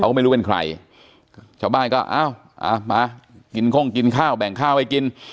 ก็ไม่รู้เป็นใครชาวบ้านก็อ้าวอ่ะมากินข้งกินข้าวแบ่งข้าวให้กิน